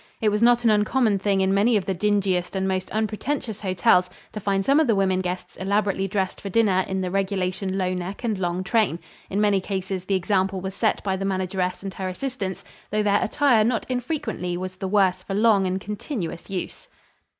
It was not an uncommon thing in many of the dingiest and most unpretentious hotels to find some of the women guests elaborately dressed for dinner in the regulation low neck and long train. In many cases the example was set by the manageress and her assistants, though their attire not infrequently was the worse for long and continuous use.